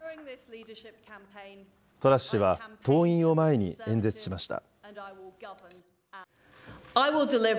トラス氏は党員を前に演説しました。